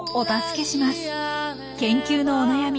研究のお悩み